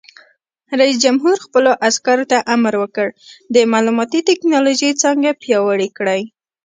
رئیس جمهور خپلو عسکرو ته امر وکړ؛ د معلوماتي تکنالوژۍ څانګه پیاوړې کړئ!